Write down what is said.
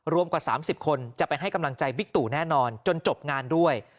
กว่า๓๐คนจะไปให้กำลังใจบิ๊กตู่แน่นอนจนจบงานด้วย